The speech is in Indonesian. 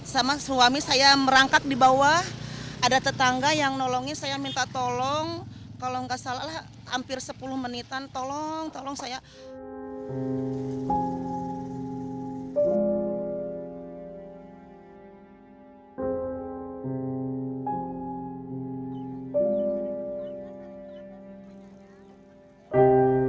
sama suami saya merangkak di bawah ada tetangga yang nolongin saya minta tolong kalau tidak salah hampir sepuluh menitan tolong tolong saya